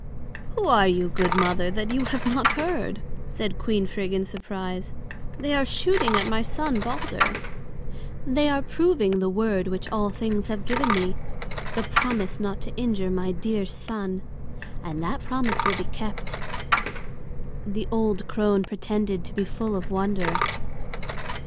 "Who are you, good mother, that you have not heard?" said Queen Frigg in surprise. "They are shooting at my son Balder. They are proving the word which all things have given me, the promise not to injure my dear son. And that promise will be kept." The old crone pretended to be full of wonder.